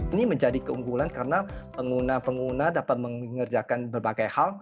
ini menjadi keunggulan karena pengguna pengguna dapat mengerjakan berbagai hal